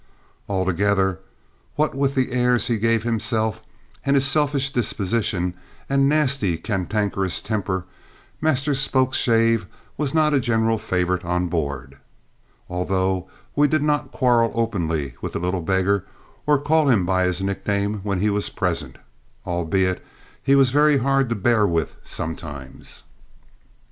Altogether, what with the airs he gave himself and his selfish disposition and nasty cantankerous temper, Master Spokeshave was not a general favourite on board, although we did not quarrel openly with the little beggar or call him by his nickname when he was present, albeit he was very hard to bear with sometimes!